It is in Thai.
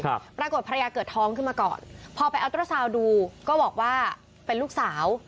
ครับปรากฏภรรยาเกิดท้องขึ้นมาก่อนพอไปเอาตัวสาวดูก็บอกว่าเป็นลูกสาว